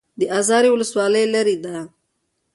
د ازرې ولسوالۍ لیرې ده